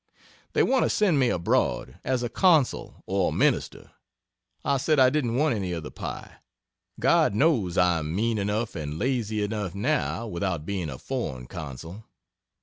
They want to send me abroad, as a Consul or a Minister. I said I didn't want any of the pie. God knows I am mean enough and lazy enough, now, without being a foreign consul.